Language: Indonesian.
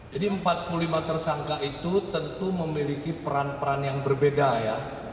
jadi empat puluh lima tersangka itu tentu memiliki peran peran yang berbeda ya